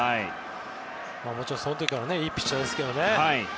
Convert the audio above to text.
もちろんその時からいいピッチャーですけどね